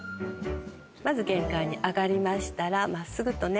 まず玄関に上がりましたら真っすぐとね